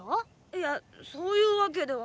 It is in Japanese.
いやそういうわけでは。